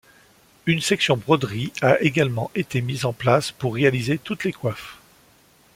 Une section broderie a également été mise en place pour réaliser toutes les coiffes.